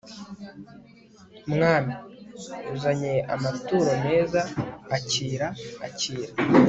mwami), uzanye amaturo meza (akira, akira